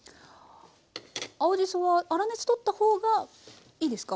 青じそは粗熱取った方がいいですか？